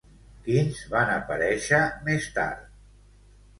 Quins van aparèixer més tard?